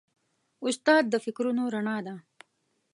استاد د فکرونو رڼا ده.